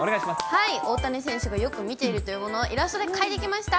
はい、大谷選手がよく見ているというものを、イラストで描いてきました。